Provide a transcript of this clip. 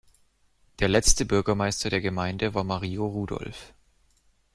Der letzte Bürgermeister der Gemeinde war Mario Rudolf.